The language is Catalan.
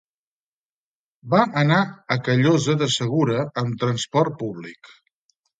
Va anar a Callosa de Segura amb transport públic.